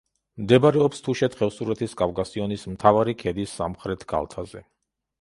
მდებარეობს თუშეთ-ხევსურეთის კავკასიონის მთავარი ქედის სამხრეთ კალთაზე.